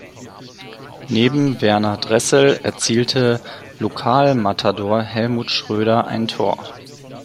Neben Werner Dressel erzielte Lokalmatador Helmut Schröder ein Tor.